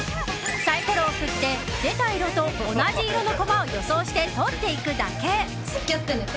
サイコロを振って出た色と同じ色のコマを予想して取っていくだけ。